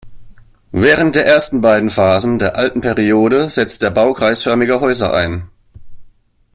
Während der ersten beiden Phasen der Alten Periode setzt der Bau kreisförmiger Häuser ein.